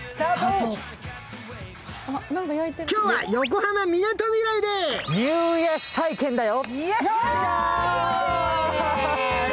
今日は横浜みなとみらいでニュー癒やし体験だよ。